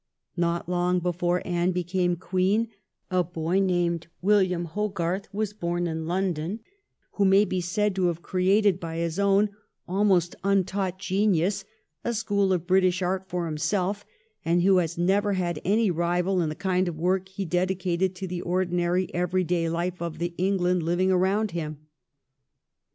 Not long before Anne became Queen a boy named William Hogarth was born in London who may be said to have created by his own almost untaught genius a school of British art for himself, and who has never had any rival in the kind of work he dedicated to the ordinary every day life of the England living around him.